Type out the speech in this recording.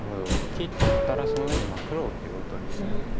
切ったらその上にマクろうということです。